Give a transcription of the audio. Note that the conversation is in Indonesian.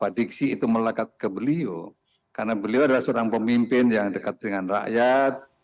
karena diisi itu melekat ke beliau karena beliau adalah seorang pemimpin yang dekat dengan rakyat